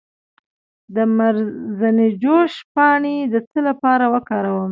د مرزنجوش پاڼې د څه لپاره وکاروم؟